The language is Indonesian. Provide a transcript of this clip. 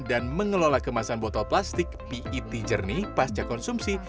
dan mengelola kemasan botol plastik pet jernih pasca konsumsi